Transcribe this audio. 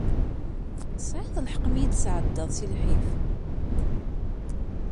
Tesɛiḍ lḥeqq mi iyi-d-tesɛeddaḍ si lḥif.